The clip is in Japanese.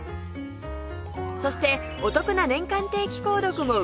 そしてお得な年間定期購読も受け付け中